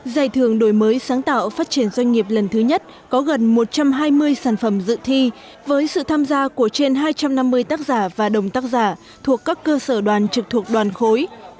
giải thưởng đổi mới sáng tạo phát triển doanh nghiệp lần thứ nhất có gần một trăm hai mươi sản phẩm dự thi với sự tham gia của trên hai trăm năm mươi tác giả và đồng tác giả thuộc các cơ sở đoàn trực thuộc đoàn khối